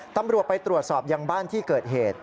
ตำรวจไปตรวจสอบยังบ้านที่เกิดเหตุ